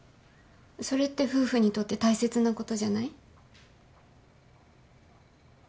それって夫婦にとって大切なことじゃない？